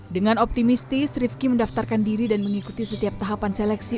dengan optimistis rifki mendaftarkan diri dan mengikuti setiap tahapan seleksi